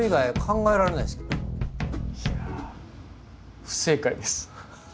いや不正解です。